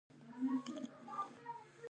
چای د زړونو ملګری دی.